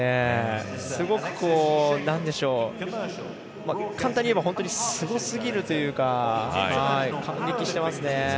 すごく、簡単にいえばすごすぎるというか。感激してますね。